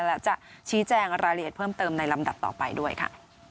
และจะชี้แจงรายละเอียดเพิ่มเติมในลำดับต่อไปด้วยค่ะ